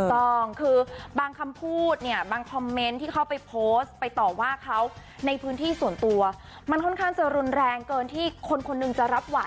ถูกต้องคือบางคำพูดเนี่ยบางคอมเมนต์ที่เข้าไปโพสต์ไปต่อว่าเขาในพื้นที่ส่วนตัวมันค่อนข้างจะรุนแรงเกินที่คนคนหนึ่งจะรับไหว